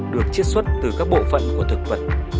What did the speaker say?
được chiết xuất từ các bộ phận của thực vật